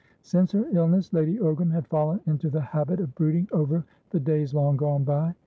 Since her illness, Lady Ogram had fallen into the habit of brooding over the days long gone by.